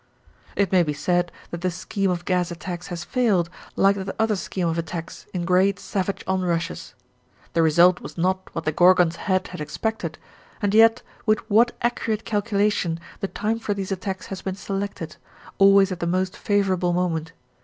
It may be said that the scheme of gas attacks has failed, like that other scheme of attacks in great savage onrushes. The result was not what the Gorgon's head had expected, and yet with what accurate calculation the time for these attacks has been selected, always at the most favourable moment.